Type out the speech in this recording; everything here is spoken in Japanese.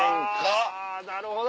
あぁなるほど！